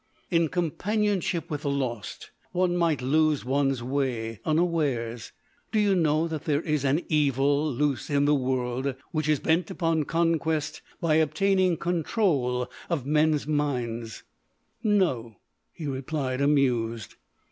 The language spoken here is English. "In companionship with the lost, one might lose one's way—unawares.... Do you know that there is an Evil loose in the world which is bent upon conquest by obtaining control of men's minds?" "No," he replied, amused.